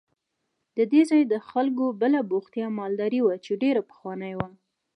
د دې ځای د خلکو بله بوختیا مالداري وه چې ډېره پخوانۍ وه.